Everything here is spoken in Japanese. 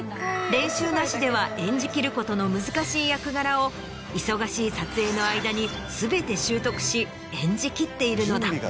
練習なしでは演じきることの難しい役柄を忙しい撮影の間に全て習得し演じきっているのだ。